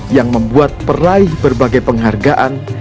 yang membuat peraih berbagai penghargaan